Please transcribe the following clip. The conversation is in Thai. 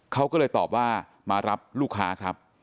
เขาก็เลยตอบว่ามารับลูกค้าครับ